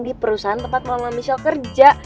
di perusahaan tempat mamanya michelle kerja